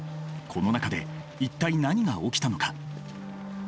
この中で一体何が起きたのか？